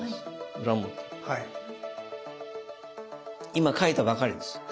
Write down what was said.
今書いたばかりです。